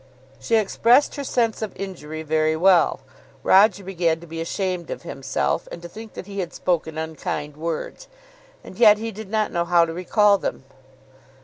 "] She expressed her sense of injury very well. Roger began to be ashamed of himself, and to think that he had spoken unkind words. And yet he did not know how to recall them.